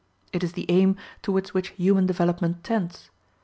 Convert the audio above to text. It is the aim towards which human development tends.